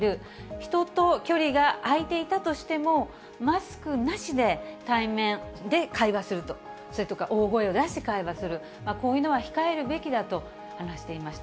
人と距離が空いていたとしても、マスクなしで対面で会話すると、それとか大声を出して会話をする、こういうのは控えるべきだと話していました。